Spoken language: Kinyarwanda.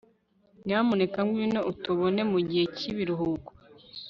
nyamuneka ngwino utubone mugihe cyibiruhuko